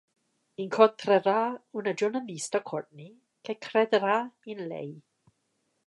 Incontrerà una giornalista, Courtney, che crederà in lei.